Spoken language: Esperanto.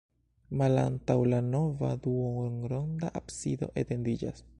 Malantaŭ la navo duonronda absido etendiĝas.